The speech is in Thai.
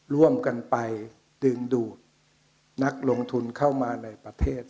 ร่วมกันไปดึงดูดนักลงทุนเข้ามาในประเทศ